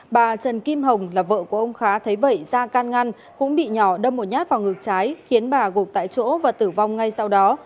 bà trần kim hồng là vợ của ông khá thấy vậy da can ngăn cũng bị nhỏ đâm một nhát vào ngực trái khiến bà gục tại chỗ và tử vong ngay sau đó